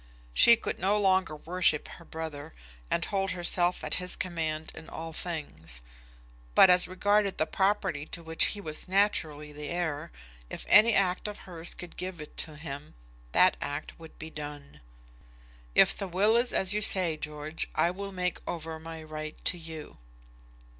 She could no longer worship her brother, and hold herself at his command in all things. But, as regarded the property to which he was naturally the heir, if any act of hers could give it to him, that act would be done. "If the will is as you say, George, I will make over my right to you."